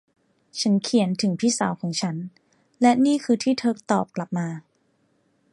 ฉันเขียนถึงพี่สาวของฉัน และนี่คือที่เธอตอบกลับมา